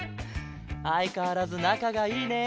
あいかわらずなかがいいね。